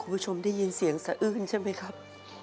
คุณผู้ชมได้ยินเสียงสะอื้นใช่ไหมครับ